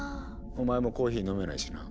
お前もコーヒー飲めないしな。